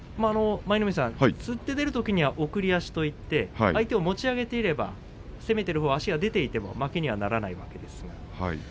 舞の海さん、つって出るときには送り足といって相手を持ち上げていけば攻めているほうは足が出ていても負けではないですよね。